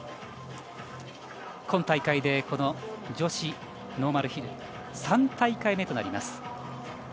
今大会で、女子ノーマルヒル３大会目となります。